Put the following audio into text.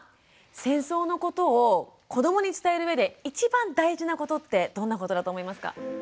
戦争のことを子どもに伝える上で一番大事なことってどんなことだと思いますか？